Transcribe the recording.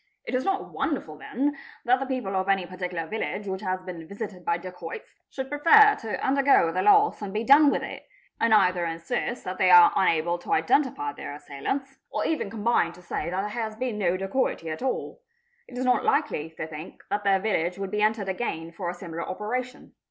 It is not wonderful, — then, that the people of any particular village which has been visited by dacoits should prefer to undergo their loss and be done with it, and either ~ insist that thay are unable to identify their assailants, or even combine q to say that there has been no dacoity at all. It is not likely, they think, — that their village will be entered again for a similar operation.